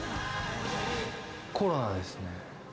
コロナですね。